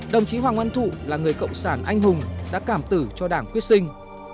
đồng chí hoàng oanh thụ là người cộng sản anh hùng đã cảm tử cho đảng quyết sinh